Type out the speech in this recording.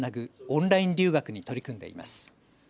オンライン留学に取り組んでいます。